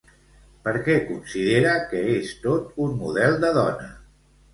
Per què considera que és tot un model de dona?